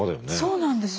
そうなんですよ。